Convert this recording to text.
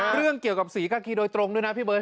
เรื่องเกี่ยวกับศรีกาคีโดยตรงด้วยนะพี่เบิร์